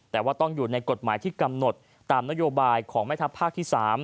แต่ว่าต้องอยู่ในกฎหมายที่กำหนดตามนโยบายของแม่ทัพภาคที่๓